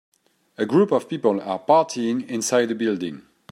A group of people are partying inside a building.